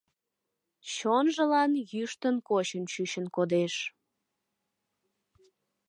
Чонжылан йӱштын-кочын чучын кодеш.